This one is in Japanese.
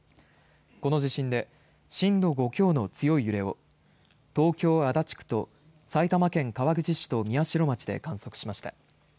この地震で震度５強の強い揺れを東京、足立区と埼玉県川口市と宮代町で観測しました。